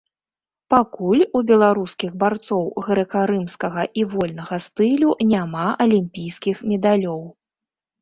Пакуль у беларускіх барцоў грэка-рымскага і вольнага стылю няма алімпійскіх медалёў.